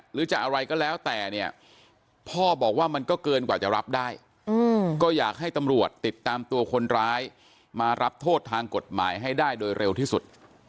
หรือจะอะไรก็แล้วแต่เนี่ยพ่อบอกว่ามันก็เกินกว่าจะรับได้ก็อยากให้ตำรวจติดตามตัวคนร้ายมารับโทษทางกฎหมายให้ได้โดยเร็วที่สุด